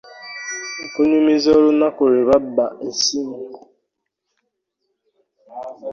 Nkunyumiza olunaku lwe babbba essimu .